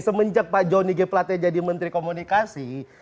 semenjak pak joni g pelate jadi menteri komunikasi